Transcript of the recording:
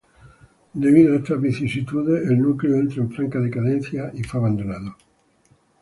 Debido a estas vicisitudes, el núcleo entró en franca decadencia y fue abandonado.